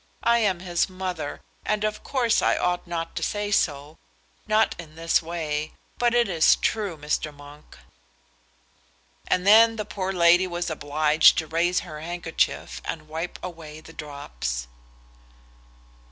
"I am his mother, and of course I ought not to say so, not in this way; but it is true, Mr. Monk." And then the poor lady was obliged to raise her handkerchief and wipe away the drops.